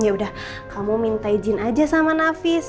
yaudah kamu minta izin aja sama nafis